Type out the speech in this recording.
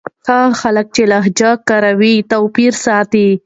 هغه خلک چې لهجې کاروي توپير ساتي.